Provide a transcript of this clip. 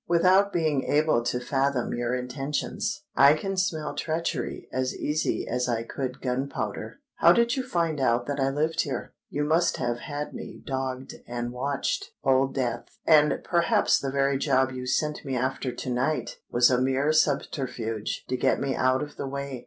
"Without being able to fathom your intentions, I can smell treachery as easy as I could gunpowder. How did you find out that I lived here? You must have had me dogged and watched, Old Death. And perhaps the very job you sent me after to night, was a mere subterfuge to get me out of the way?